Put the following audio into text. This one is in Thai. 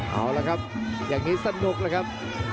เอาละครับอย่างนี้สนุกเลยครับ